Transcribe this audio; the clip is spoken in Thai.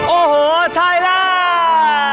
โอ้โหไทยแลนด์